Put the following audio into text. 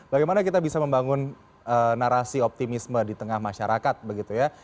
bagaimana kita bisa membangun narasi optimisme di tengah masyarakat begitu ya